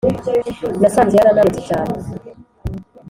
Nasanze yarananutse cyane